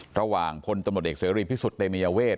ระหว่างคนตมติเด็กสวยรีบพิสุทธิ์เตมยเวท